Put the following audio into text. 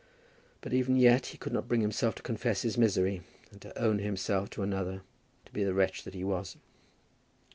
But even yet he could not bring himself to confess his misery, and to own himself to another to be the wretch that he was.